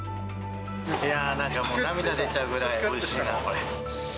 いやぁ、もうなんかもう、涙出ちゃうくらいおいしいな、これ。